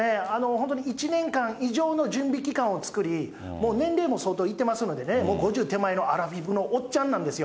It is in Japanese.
本当に１年間以上の準備期間を作り、もう年齢も相当いってますのでね、５０手前のアラフィフのおっちゃんなんですよ。